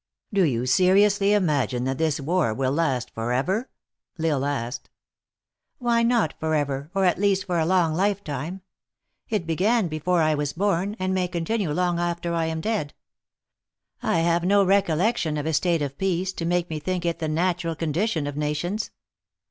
" Do you seriously imagine that this war will last forever?" L Isle asked. THE ACTRESS IN HIGH LIFE. 103 " Why not forever, or, at least, for a long life time ? It began before I was born, and may continue long after I am dead. I have no recollection of a state of peace, to make me think it the natural condition of nations."